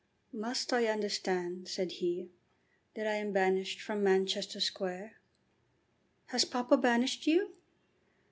"Must I understand," said he, "that I am banished from Manchester Square?" "Has papa banished you?"